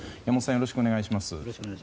山本さんよろしくお願いします。